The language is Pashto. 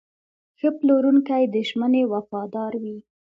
ښه پلورونکی د ژمنې وفادار وي.